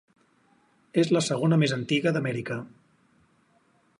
És la segona més antiga d'Amèrica.